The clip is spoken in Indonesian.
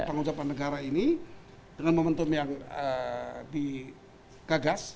pengucapkan negara ini dengan momentum yang eee di gagas